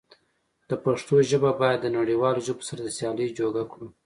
د پښتو ژبه بايد د نړيوالو ژبو سره د سيالی جوګه کړو.